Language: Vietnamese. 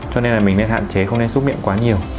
cho nên là mình nên hạn chế không nên xúc miệng quá nhiều